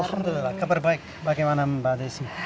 alhamdulillah kabar baik bagaimana mbak desi